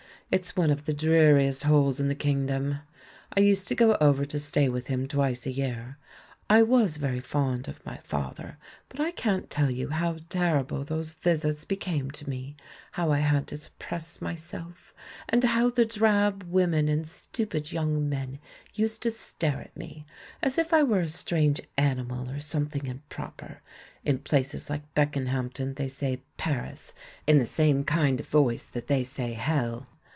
It's one of the dreariest holes in the kingdom. I used to go over to stay with him twice a year. I was very fond of my father, but I can't tell you how terrible those visits became to me, how I had to suppress myself, and how the drab women and stupid young men used to stare at me — as if I were a strange animal, or something improper; in places like Beckenhamp ton they say 'Paris' in the same kind of voice that they say 'Hell.'